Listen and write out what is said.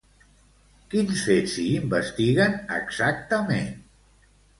Quins fets s'hi investiguen exactament?